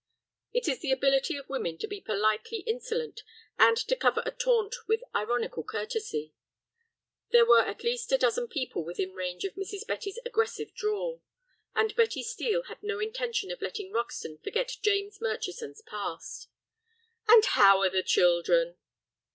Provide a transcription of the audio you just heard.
It is the ability of women to be politely insolent and to cover a taunt with ironical courtesy. There were at least a dozen people within range of Mrs. Betty's aggressive drawl, and Betty Steel had no intention of letting Roxton forget James Murchison's past. "And how are the children?"